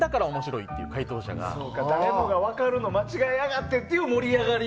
間違えるから誰もが分かるのを間違えやがってっていう盛り上がり。